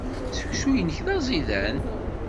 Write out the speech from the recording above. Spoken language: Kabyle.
Seksu-nnek d aẓidan.